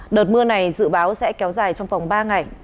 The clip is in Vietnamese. đợt mưa này dự báo sẽ kéo dài trong vòng ba ngày